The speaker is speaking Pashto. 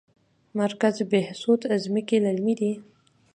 مرکز بهسود ځمکې للمي دي؟